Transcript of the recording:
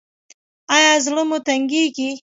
ایا زړه مو تنګیږي؟